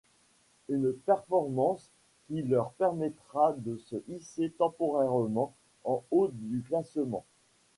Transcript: Une performance qui leur permettra de se hisser temporairement en haut du classement.